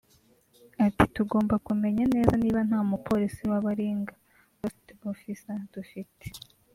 Ati “Tugomba kumenya neza niba nta mupolisi wa baringa (ghost officer) dufite